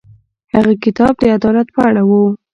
هغه کتاب د عدالت په اړه و.